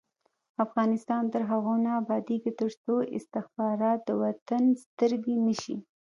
افغانستان تر هغو نه ابادیږي، ترڅو استخبارات د وطن سترګې نشي.